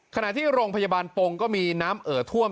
ขณะที่โรงพยาบาลปงก็มีน้ำเอ่อท่วม